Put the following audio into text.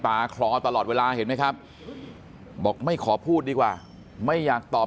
คลอตลอดเวลาเห็นไหมครับบอกไม่ขอพูดดีกว่าไม่อยากตอบ